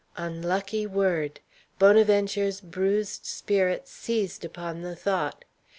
Unlucky word! Bonaventure's bruised spirit seized upon the thought.